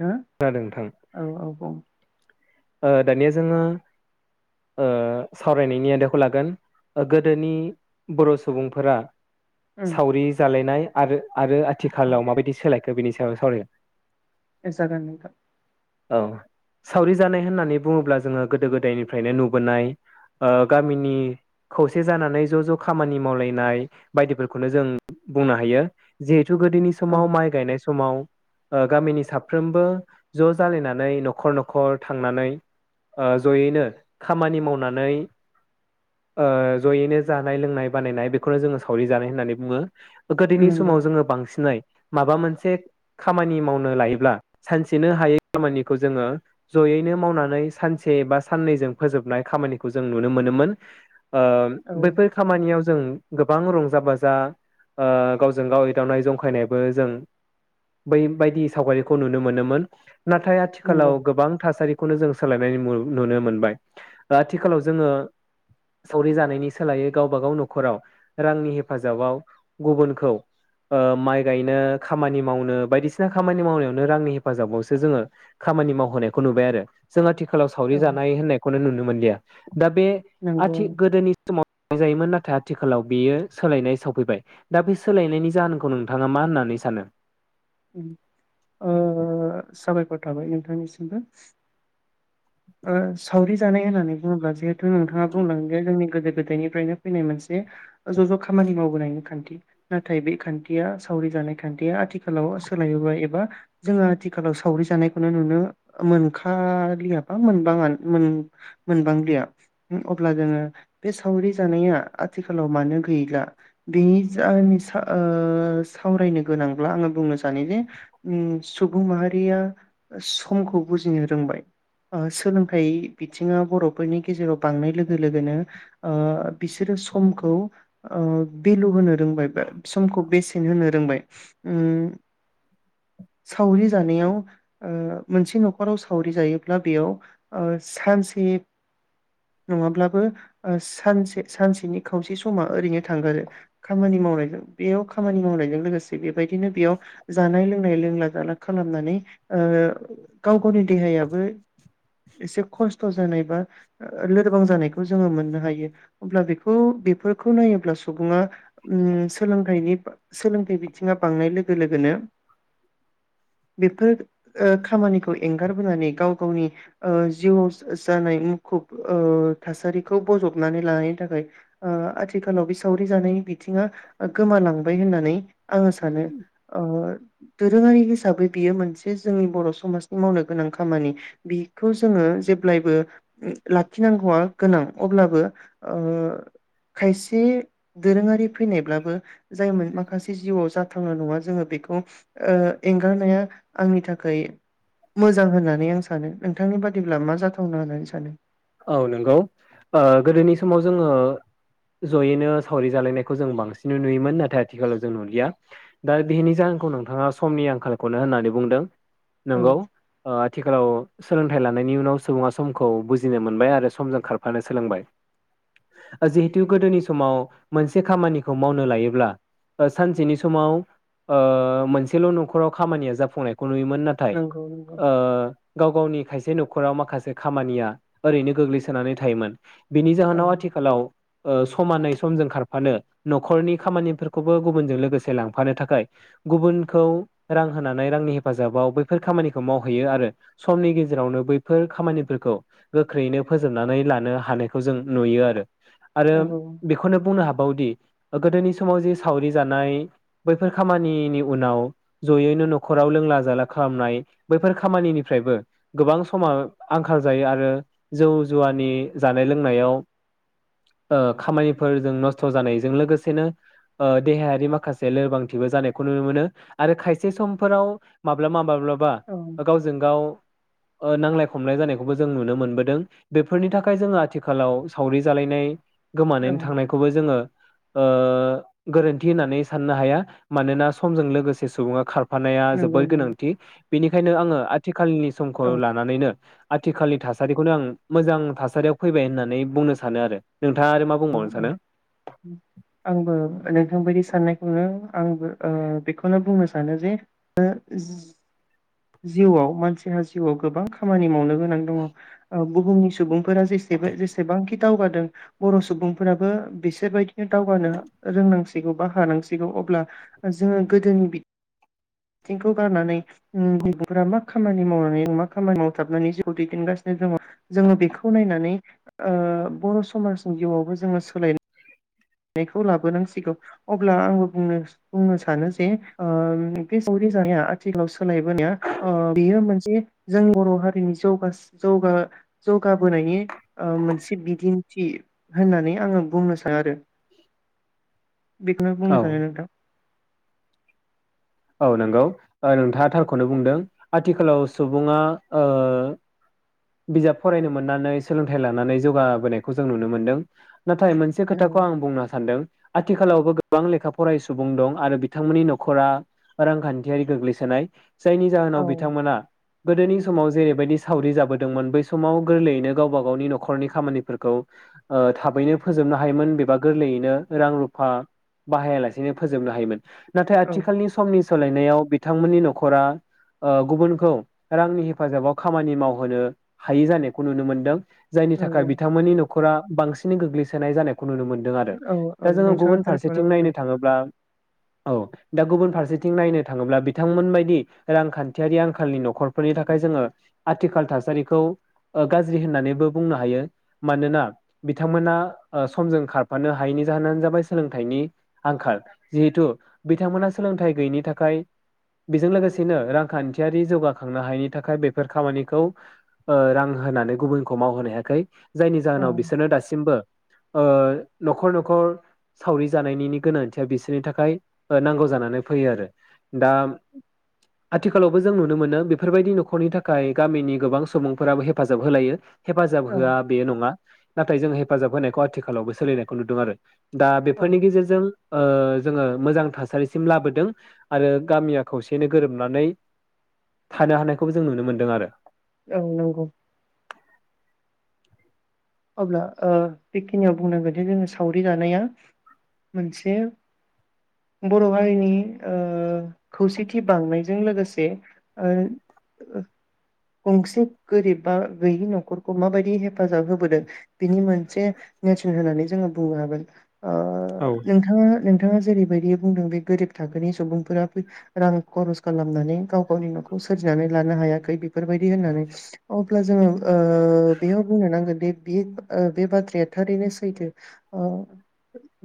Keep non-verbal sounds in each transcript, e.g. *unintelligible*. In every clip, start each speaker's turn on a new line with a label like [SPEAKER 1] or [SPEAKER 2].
[SPEAKER 1] दो
[SPEAKER 2] खोनादों नोंथां
[SPEAKER 1] औ औ औ
[SPEAKER 2] ओ दानिया जोङो ओ सावरायनायनि आयदाखौ लागोन गोदोनि बर' सुबुंफोरा
[SPEAKER 1] उम
[SPEAKER 2] सावरि जालायनाय आरो आरो आथिखालाव माबायदि सोलायखो बेनि सायाव सावरायगोन
[SPEAKER 1] जागोन नोंथां
[SPEAKER 2] औ सावरि जानाय होननानै बुङोब्ला जोङो गोदो गोदायनिफ्रायनो नुबोनाय ओ गामिनि खौसे जानानै ज' ज' खामानि मावलायनाय बायदिफोरखौनो जों बुंनो हायो गोदोनि
[SPEAKER 1] औ
[SPEAKER 2] समाव माइ गायनाय समाव गामिनि सा साफ्रोमबो ज' जालायनानै न'खर न'खर थांनानै ओ जयैनो खामानि मावनानै ओ जयैनो जानाय लोंनाय बानायनाय बेखौनो जोङो सावरि जानाय होननानै बुङो गोदोनि
[SPEAKER 1] नंगौ
[SPEAKER 2] समाव जोङो बांसिनै माबा मोनसे खामानि मावनो लायोब्ला सानसेनो हायै खामानिखौ जोङो जयैनो मावनानै सानसे बा साननैजों फोजोबनाय खामानिखौ जों नुनो मोनोमोन ओ
[SPEAKER 1] औ
[SPEAKER 2] बैफोर खामानियाव जों गोबां रंजा बाजा ओ गावजों गाव एदावनाय जंखायनायबो जों बैबादि सावगारि खौ नुनो मोनोमोन नाथाय आथिखालाव
[SPEAKER 1] नंगौ
[SPEAKER 2] गोबां थासारि खौनो जों सोलायनाय नुनो मोनबाय आथिखालाव जोङो सावरि जानायनि सोलायै गावबा गाव न'खराव रांनि हेफाजाबाव गुबुनखौ ओ माइ गायनो खामानि मावनो बायदिसिना खामानि मावनाय नो रांनि हेफाजाबावसो जोङो खामानि मावहोनायखौ नुबाय आरो जों थिखालाव सावरि
[SPEAKER 1] औ
[SPEAKER 2] जानाय होननायखौनो नुनो मोनलिया *inaudible* दा बे
[SPEAKER 1] नंगौ
[SPEAKER 2] आथि गोदोनि समाव *unintelligible* जायोमोन नाथाय आथिखालाव बेयो सोलायनाय सौफैबाय दा बे सोलायनायनि जाहोनखौ नोंथाङा मा होननानै सानो
[SPEAKER 1] उम ओ साबायखर थाबाय नोंथांनिसिमबो ओ सावरि जानाय होननानै बुङोब्ला जिहेथु नोंथाङा बुंलांगो जोंनि गोदो- गोदायनिफ्रायनो फैनाय मोनसे ज' ज' खामानि मावबोनायनि खान्थि नाथाय बे खान्थिया सावरि जानाय खान्थिया आथिखालाव सोलायबोबाय एबा जोङो आथिखालाव सावरि जानायखौनो नुनो मोनखालिया *unintelligible* मोनबाङाओन मोन मोनबांलिया उम अब्ला जोङो बे सावरि जानाया आथिखालाव मानो गैला बेनि जाहोननि सा ओ सावरायनो गोनांब्ला आङो बुंनो सानो जे उम सुबुं माहारिया समखौ बुजिनो रोंबाय ओ सोलोंथाइ बिथिङा बर'फोरनि गेजेराव बांनाय लोगो लोगोनो ओ बिसोरो समखौ ओ बेेलु होनो रोंबाय बा समखौ बेसेन होनो रोंबाय उम सावरि जानायाव ओ मोनसे न'खराव सावरि जायो बेयाव ओ सानसे नङाब्लाबो ओ सानसे सानसेनि खावसे समा ओरैनो थांगारो खामानि मावनायजों बेयाव खामानि मावनायजों लोगोसे बेबायदिनो बेयाव जानाय लोंनाय लोंला जाला खालामनानै ओ गाव गावनि देहायाबो एसे खस्थ' जानाय बा ओ ओ लोरबां जानायखौ जोङो मोननो हायो अब्ला बेखौ बेफोरखौ नायोब्ला सुबुङा उम सोलोंथाइनि सोलोंथाइ बिथिङा बांनाय लोगो लोगोनो बेफोर ओ खामानिखौ एंगारबोनानै गाव गावनि ओ जिउआव जानाय मुखुब ओ थासारिखौ बजबनानै लानायनि थाखाय ओ आथिखालाव बे सावरि जानायनि बिथिङा ओ गोमालांबाय होननानै आङो सानो ओ दोरोङारि हिसाबै बियो मोनसे जोंनि बर' समाजनि मावनो गोनां खामानि बिखौ जोङो जेब्लायबो उम लाखिनांगौआ गोनां अब्लाबो ओ खायसे दोरोङारि फैनायब्लाबो जायमोन माखासे जिउआव जाथावना नङा जोङो बेखौ ओ एंगारनाया आंनि थाखाय मोजां होननानै आं सा सानो नोंथांनि बादिब्ला मा जाथावना होननानै सानो?
[SPEAKER 2] औ नंगौ ओ गोदोनि समाव जोङो जयैनो सावरि जालायनायखौ जों बांसिननो नुयोमोन नाथाय आथिखालाव जों नुलिया दा बिहनि जाहोनखौ नोंथाङा समनि आंखालखौनो होननानै बुंदों।
[SPEAKER 1] औ
[SPEAKER 2] नंगौ ओ आथिखालाव सोलोंथाइ लानायनि उनाव सुबुङा समखौ बुज जिनो मोनबाय आरो समजों खारफानो सोलोंबाय ओ जिहेथु गोदोनि समाव मोनसे खामानिखौ मावनो लायोब्ला ओ सानसेनि समाव ओ मोनसेल' न'खराव खामानिया जाफुंनाय खौ नुयोमोन नाथाय
[SPEAKER 1] नंगौ नंगौ
[SPEAKER 2] ओ गाव गावनि खायसे न'खराव माखासे खामानिया ओरैनो गोग्लैसोनानै थायोमोन। बिनि
[SPEAKER 1] औ
[SPEAKER 2] जाहोनाव आथिखालाव ओ समानै समजों खारफानो न'खरनि खामानिफोरखौबो गुबुनजों लोगोसे लांफानो थाखाय गुबुनखौ रां होनानै रांनि हेफाजाबाव बैफोर खामानिखौ मावहैयो आरो समनि गेजेरावनो बैफोर खामानिफोरखौ गोख्रैयैनो फोजोबनानै लानो हानायखौ जों नुयो आरो। आरो
[SPEAKER 1] नंगौ औ
[SPEAKER 2] बेखौनो बुंनो हाबावदि ओ गोदोनि समाव जे सावरि जानाय बैफोर खामानिनि उनाव जयैनो न'खराव लोंला जाला खालामनाय बैफोर खामानिनिफ्रायबो गोबां समा आंखाल जायो आरो जौ जुवानि जानाय लोंनायाव ओ खामानिफोरजों नस्थ' जानायजों लोगोसेनो ओ देहायारि माखासे लोरबांथिबो जानायखौ नुनो मोनो आरो खायसे समफोराव माब्लाबा माब्ला बा
[SPEAKER 1] औ
[SPEAKER 2] गावजों गाव ओ नांलाय खमलाय जानायखौबो जों नुनो मोनबोद दों बेफोरनि थाखाय जोङो आथिखालाव सावरि जालायनाय गोमानैनो
[SPEAKER 1] नंगौ
[SPEAKER 2] थांनायखौबो जोङो ओ गोरोन्थि होननानै साननो हाया मानोना समजों लोगोसे सुबुङा खार फानाया
[SPEAKER 1] नंगौ
[SPEAKER 2] जोबोर गोनांथि। बिनिखायनो आङो आथिख खालनि समखौ
[SPEAKER 1] औ
[SPEAKER 2] लानानैनो आथिखालनि थास खौनो आं मोजां थासारियाव फैबाय होननानै बुंनो सानो आरो। नोंथाङा आरो मा
[SPEAKER 1] औ
[SPEAKER 2] बुंबावनो
[SPEAKER 1] औ उम
[SPEAKER 2] सानो
[SPEAKER 1] आंबो नोंथां बायदि साननाय *unintelligible* आंबो ओ बेखौनो बुंनो सानो जे ओ जि जिउआव मानसिहा जिउआव गोबां खामानि मावनो गोनां दङ ओ बुहुमनि सुबुं फोरा जेसेबो जसेबांखि दावगादों। बर' सुबुंफोराबो बिसोरबायदिनो दावगानो ओ रोंनांसिगौ बा हानांसिगौ अब्ला ओ जोङो गोदोनि बिथ थिंखौ गारनानै ओम बिर'फ्रा मा खामानि मावनानै मा खामानि मावथाबनानै जिउखौ दैदेनगासिनो दङ जोङो बेखौ नायनानै ओ बर' समाज जिआवबो जोङो सोलाय नायखौ लाबोनांसिगौ अब्ला आङो बुंनो बुंनो सानो जे ओ फिन सावरि जाया आथिालाव सो होननाय बोनाया ओ बिनो मोनसे बि जों बर' हारिनि जौगास जौगा जौगाबोनायनि ओ मोनसे बिदिन्थि। होननानै आङो बुंनो सानो आरो। बेखौनो
[SPEAKER 2] औ
[SPEAKER 1] बुंनो सानो नोंथां।
[SPEAKER 2] औ नंगौ ओ नोंथाङा थारखौनो बुंदों आथिखालाव सुबुङा ओ बिजाब फरायनो मोननानै सोलोंथाइ लानानै जौगाबोनायखौ जों नुनो मोनदों। नाथाय मोनसे खोथाखौ आं बुंनो सानदों। आथिखालावबो गोबां लेखा फरायि सुबुं दं आरो बिथांमोननि न'खरा रांखान्थियारि गोग्लैसोनाय। जायनि
[SPEAKER 1] औ
[SPEAKER 2] जाहोनाव बिथांमोना गोदोनि समाव जेरैबायदि सावरि जाबोदोंमोन बै समाव गोरलैयैनो गावबा गावनि न'खरनि खामानिफोरखौ ओ थाबैनो फोजोबनो हायोमोन एबा गोरलैयैनो रां रुफा बाहायालासेनो फोजोबनो हायोमोन। नाथाय
[SPEAKER 1] औ
[SPEAKER 2] आथिखालनि सु सोलायनायाव बिथांमोननि न'खरा ओ गुबुनखौ रांनि हेफाजाबाव खामानि मावहोनो हायि जानायखौ नुनो मोनदों। जायनि थाखाय
[SPEAKER 1] नंगौ
[SPEAKER 2] बिथांमोननि न' ख'रा बांसिन गोग्लैसोनाय जानायख नुनो मोनदों आरो।
[SPEAKER 1] औ औ
[SPEAKER 2] दा जोङो
[SPEAKER 1] नोंथाङा
[SPEAKER 2] गुबुन
[SPEAKER 1] थारखौनो
[SPEAKER 2] फारसेथिं
[SPEAKER 1] बुंदों।
[SPEAKER 2] नायनो थाङोब्ला औ दा गुबुन फारसे थिं नायनो थाङोब्ला बिथांमोन बादि रांखान्थियारि आंखालनि न'खरफोरनि थाखाय जोङो आथिखाल थासारिखौ गाज्रि होननानैबो बुंनो हायो। मानोना बिथांमोना समजों खारफानो हायैनि जाहोनानो जाबाय सोलोंथाइनि आंखाल। जिहेथु बिथांमोना सोलोंथाइ गैयिनि थाखाय बेजों लोगोसेनो रांखान्थियारि जौगाखांनो हायैनि थाखाय बेफोर खामानिखौ ओ रां होनानै गुबुनखौ मावहोनो हायाखै। जायनि
[SPEAKER 1] औ
[SPEAKER 2] जाहोनाव बिसोरनो दासिमबो ओ न'खर न'खर सावरि जानायनिनि गोनांथिया बिसोरनि थाखाय ओ नांगौ जानानै फैयो आरो दा आथिखालावबो जों नुनो मोनो बेफोरबायदि न'खरनि थाखाय गामिनि गोबां सुबुंफोराबो हेफाजाब होलायो। हेफाजाब
[SPEAKER 1] औ
[SPEAKER 2] होआ बे नङा। नाथाय जों हेफाजाब होनायखौ आथिखालावबो सोलिनायखौ नुदों आरो दा
[SPEAKER 1] औ
[SPEAKER 2] बेफोरनि गेजेरजों ओ जोङो मोजां थासारिसिम लाबो दों आरो गामिया खौसेनो गोरोबनानै थानो हानायखौबो जों नुनो मोनदों आरो
[SPEAKER 1] औ नंगौ। अब्ला ओ बेखिनियाव बुंनांगोनदिे जोङो सावरि जानाया मोनसे बर' हारिनि ओ खौसेथि बांनायजों लोगोसे ओ गंसे गोरिब बा गैयि न'खरखौ माबायदि हेफाजाब होबोदों बिनि मोनसे नेरसोन होननानै जोङो बुंनो हागोन। ओ
[SPEAKER 2] औ
[SPEAKER 1] नोंथाङा नोंथाङा जेरैबायदि बुंदों बे गोरिब थाखोनि सुबुंफोरा फै रां खरस खालामनानै गाव गावनि न'खौ सोरजिनानै लानो हायाखै बि फोर बायदि होननानै *unintelligible* अब्ला जोङो ओ बेयाव बुंनो नांगोनदि *unintelligible* ओ बे बाथ्राया थारैनो सैथो। ओ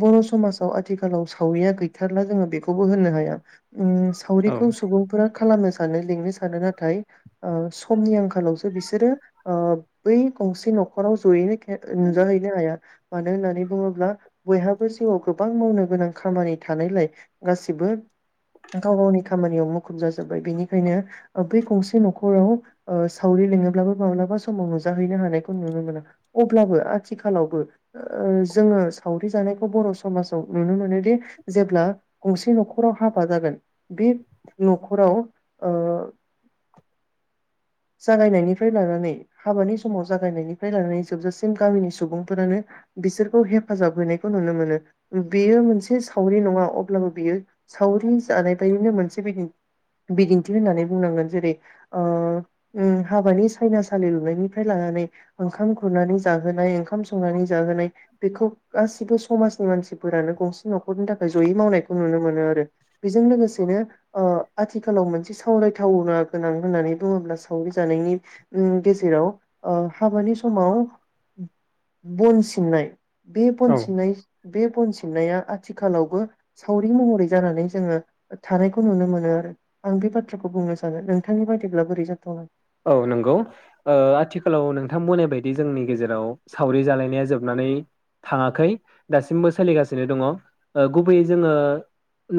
[SPEAKER 1] बर' समाजाव आथिखालाव सावरिया गैथारला जोङो बेखौबो होननो हाया। उम
[SPEAKER 2] औ
[SPEAKER 1] सावरिखौ सुबुंफोरा खालामनो *unintelligible* लिंनो सानो नाथाय ओ समनि आंखालावसो बिसोरो ओ बै गंसे न' ख'राव ज'यैनो के नुजाहैनो हाया मानो होननानै बुङोब्ला बयहाबो जिउआव गोबां मावनो गोनां खामानि थानायलाय गासिबो गाव गावनि खामानियाव मुखुब जाजोब्बाय बिनिखायनो ओ बै गंसे न'खराव ओ सावरि लिङोब्लाबो माब्लाबा समाव नुजाहैनो हानायखौ नुनो *unintelligible* अब्लाबो आथिखालावबो ओ जोङो सावरि जानायखौ बर' समाजाव नुनो मोनोदि जेब्ला गंसे न'खराव हाबा जागोन बे न'खराव ओ जागायनायनिफ्राय लानानै हाबानि समाव जागायनायनिफ्राय लानानै जोबजासिम गामिनि सुबुंफोरानो बिसोरखौ हेफाजाब हैनायखौ नुनो मोनो। बेयो मोनसे सावरि नङा अब्लाबो बेयो सावरि जानाय बायदिनो मोनसे बिदिन बिदिन्थि होननानै बुंनांगोन। जेरै ओ उम हाबानि सायना सालि लुनायनिफ्राय लानानै ओंखाम खुरनानै जाहोनाय ओंखाम संनानै जाहोनाय बेखौ गासिबो समाजनि मानसिफोरानो गंसे न'खरनि थाखाय ज'यै मावनायखौ नुनो मोनो आरो। बेजों लोगोसेनो ओ आथिखालाव मोनसे सावरायथाव *unintelligible* गोनां होननानै बुङोब्ला सावरि जानायनि उम गेजेराव ओ हाबानि समाव बन सिननाय बे बन
[SPEAKER 2] औ
[SPEAKER 1] सिननाय बे बन सिननाया आथिखालावबो सावरि महरै जानानै जोङो थानायखौ नुनो मोनो आरो आं बे बाथ्राखौ बुंनो सानो नोंथांनि बायदिब्ला बोरै जा *inaudible*
[SPEAKER 2] औ नंगौ ओ आथिखालाव नोंथां बुंनाय बायदि जोंनि गेजेराव सावरि जालायनाया जोबनानै थाङाखै दासिमबो सोलिगासिनो दङ ओ गुबैयै जोङो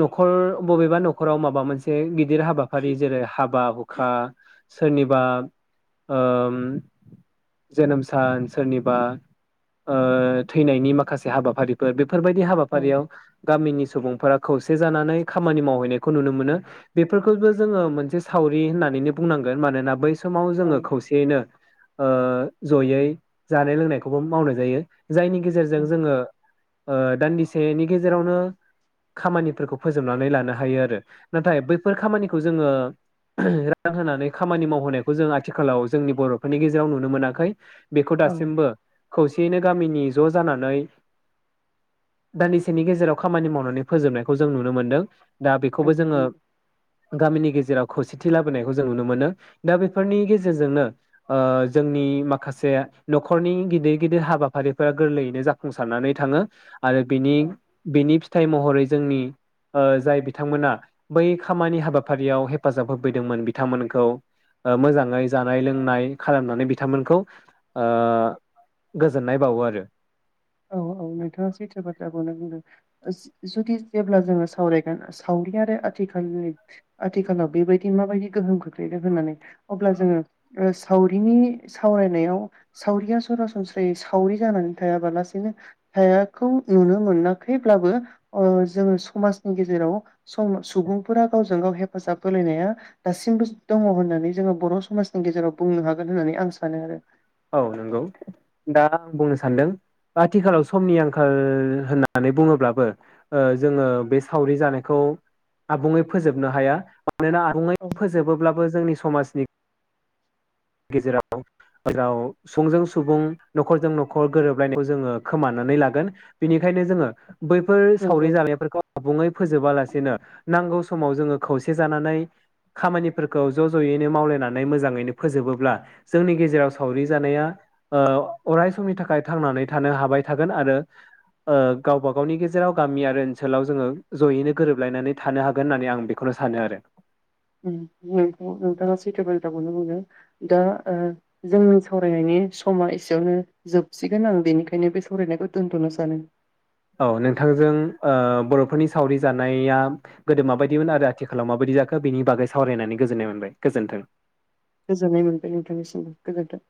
[SPEAKER 2] न'खर बबेबा न'खराव माबा मोनसे मि गिदिर हाबाफारि जेरै हाबा हुखा सोरनिबा ओम जोनोम सान सोरनिबा ओ थैनायनि माखासे हाबाफारिफोर बे बेफोरबायदि
[SPEAKER 1] औ
[SPEAKER 2] हाबाफारियाव गामिनि सुबुंफोरा खौसे जानानै खामानि मावहैनायखौ नुनो मोनो बेफोरखौबो जोङो मोनसे सावरि होननानैनो बुंनां मानो ना *inaudible* समाव
[SPEAKER 1] औ
[SPEAKER 2] जोङो खौसेयैनो ओ ज'यै जानाय लोंनायखौबो मावनाय जायो जायनि
[SPEAKER 1] औ
[SPEAKER 2] गेजेरजों जोङो ओ दान्दिसेनि गेजेरावनो खामानिफोरखौ फोजोबनानै लानो हायो आरो नाथाय बैफोर खामानिखौ जोङो *unintelligible* रान होनानै खामानि मावहोनायखौ जों आथिखालाव जोंनि बर'फोरनि गेजेराव नुनो मोनाखै बेखौ
[SPEAKER 1] औ
[SPEAKER 2] दासिमबो खौसेयैनो गामिनि ज' जानानै दान्दिसेनि गेजेराव खामानि मावनानै फोजोबनायखौ जों नुनो मोनदों दा बेखौबो
[SPEAKER 1] नंगौ
[SPEAKER 2] जोङो
[SPEAKER 1] नंगौ
[SPEAKER 2] गामिनि गेजे जेराव खौसेथि लाबोनायखौ जों नुनो मोनो दा बेफोरनि गेजेरजोंनो ओ जोंनि माखास से न'खरनि गिदिर गिदिर हाबाफारिफ्रा गोरलैयैनो जाफुंसारनानै थाङो आरो बेनि
[SPEAKER 1] औ
[SPEAKER 2] बेनि फिथाइ महरै जोंनि ओ जाय बिथांमोना बै खामानि हाबाफारियाव हेफाजाब होफैदोंमोन बिथांमोनखौ ओ मोजाङै जानाय लोंनाय खालामनानै बिथांमोनखौ ओ गोजोननाय बावो आरो
[SPEAKER 1] औ औ नोंथाङा सैथो बात्राखौनो बुंदों *unintelligible* जुदि जेब्ला जोङो सावरायगोन सावरि आरो आथिखालनि आथिखालाव बेबायदि माबायदि गोहोम खोख्लैदों होननानै अब्ला जोङो ओ सावरिनि सावरायनायाव सावरिया सरासनस्रायै सावरि जानानै थायाबाला *inaudible* हायाखौ नुनो मोनाखैब्लाबो ओ जोङो समाजनि गेजेराव सम सुबुंफोरा गावजों गाव हेफाजाब होलायनाया दासिमबो दङ होननानै जोङो बर' समाजनि गेजेराव बुंनो हागोन होननानै आं सानो आरो
[SPEAKER 2] औ नोंगौ दा आं बुंनो सानदों आथिखालाव समनि आंखाल होननानै बुङोब्लाबो ओ जोङो बे सावरि जानायखौ आबुङै फोजोबनो हाया मानोना आबुङै
[SPEAKER 1] औ
[SPEAKER 2] फोजोबोब्लाबो जोंनि समाजनि गेजेराव जेराव सुबुंजों सुबुं न'खरजों न'खर गोरोबलायनायखौ जोङो खोमानानै लागोन बेनिखायनो जोङो बैफोर सावरि
[SPEAKER 1] नंगौ
[SPEAKER 2] जानायफोरखौ आबुङै फोजोबालासेनो नांगौ समाव जोङो खौसे जानानै खामानिफोरखौ ज' ज'यैनो मावलायनानै मोजाङैनो फोजोबोब्ला जोंनि गेजेराव सावरि जानाया ओ अराय समनि थाखाय थांनानै थानो हाबाय थागोन आरो ओ गावब गावनि गेजेराव गामि आरो ओनसोलाव जोङो जयैनो गोरोबलायनानै थानो हागोन होननानै आं बेखौनो सानो आरो
[SPEAKER 1] नोंथाङा सैथो बाथ्र्राखौनो बुंदों दा जोंनि सावरायनायनि समा एसेयावनो जोबसिगोन आं बेनिखायनो बे सावरायनायखौ दोनथ'नो सानो
[SPEAKER 2] औ नोंथांजों ओ बर'फोरनि सावरि जानाया गोदो माबायदिमोन आरो आथिखालाव माबायदि जाखो बेनि बागै सावरायनानै गोजोननाय मोनबाय गोजोन्थों
[SPEAKER 1] गोजोननाय मोनबाय नोंथांनिसिमबो गोजोन्थों